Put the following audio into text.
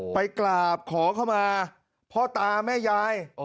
ไปกราบขอเข้ามาพ่อตาแม่ยาย